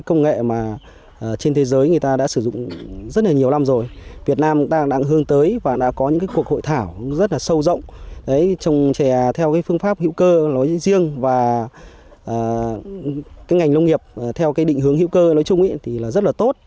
trong thế giới người ta đã sử dụng rất là nhiều năm rồi việt nam đang hướng tới và đã có những cuộc hội thảo rất là sâu rộng trồng trẻ theo phương pháp hữu cơ riêng và ngành nông nghiệp theo định hướng hữu cơ nói chung thì rất là tốt